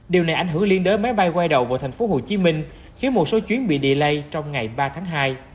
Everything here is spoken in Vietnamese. điều này ảnh hưởng liên đối máy bay quay đầu vào thành phố hồ chí minh khiến một số chuyến bị delay trong ngày ba tháng hai